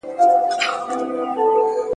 د سالمي راتلونکي لپاره به نن کار کوئ.